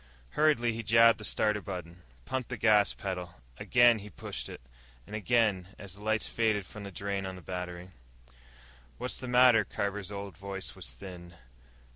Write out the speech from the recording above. Hurriedly, he jabbed the starter button, pumped the gas pedal. Again he pushed it, and again, as the lights faded from the drain on the battery. "What's the matter?" Carver's old voice was thin.